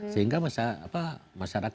sehingga masyarakat kurang terpenuh